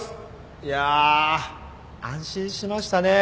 いや安心しましたね